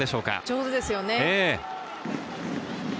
上手ですよね。